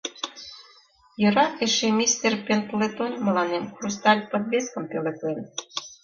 Йӧра эше мистер Пендлетон мыланем хрусталь подвескым пӧлеклен!